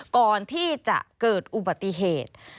ก่อนที่จะเกิดอุบัติเหตุ